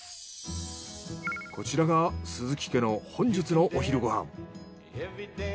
こちらが鈴木家の本日のお昼ご飯。